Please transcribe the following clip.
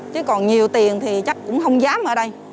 chứ còn nhiều tiền thì chắc cũng không dám ở đây